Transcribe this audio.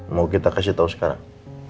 mau kita kasih tahu sekarang